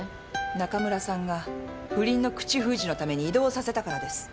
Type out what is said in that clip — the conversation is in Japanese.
中村さんが不倫の口封じのために異動をさせたからです。